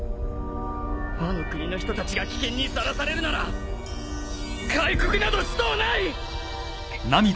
ワノ国の人たちが危険にさらされるなら開国などしとうない！